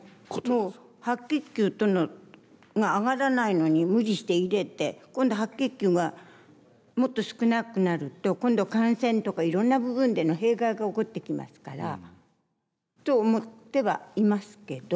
もう白血球が上がらないのに無理して入れて今度白血球がもっと少なくなると今度感染とかいろんな部分での弊害が起こってきますからと思ってはいますけど。